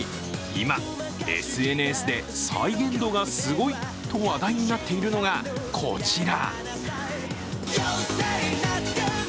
今、ＳＮＳで再現度がすごいと話題になっているのが、こちら。